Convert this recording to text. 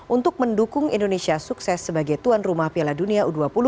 untuk mendukung indonesia sukses sebagai tuan rumah piala dunia u dua puluh